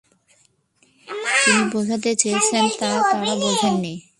তিনি বোঝাতে চেয়েছেন তা তারা বোঝেননি।